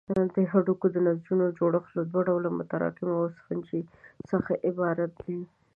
د هډوکو د نسجونو جوړښت له دوه ډوله متراکمو او سفنجي څخه عبارت دی.